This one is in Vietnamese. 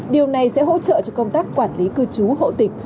điều này sẽ hỗ trợ cho công tác quản lý cư trú hộ tịch